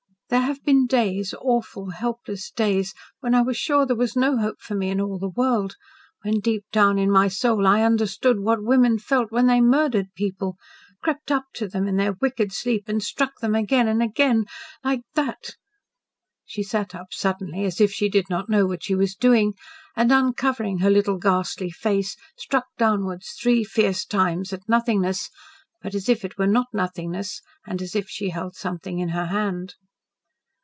There have been days awful, helpless days, when I was sure there was no hope for me in all the world when deep down in my soul I understood what women felt when they MURDERED people crept to them in their wicked sleep and STRUCK them again and again and again. Like that!" She sat up suddenly, as if she did not know what she was doing, and uncovering her little ghastly face struck downward three fierce times at nothingness but as if it were not nothingness, and as if she held something in her hand.